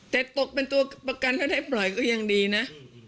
แต่ตกเป็นตัวประกันถ้าได้ปล่อยก็ยังดีนะ